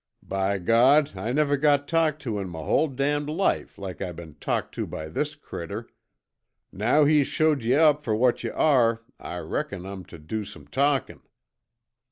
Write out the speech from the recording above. By God, I never got talked to in my hull damned life like I been talked to by this critter. Now he's showed you up fer what yuh are I reckon I'm due tuh do some talkin'!"